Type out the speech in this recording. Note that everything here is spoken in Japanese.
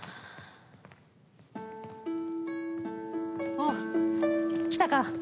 おう来たか。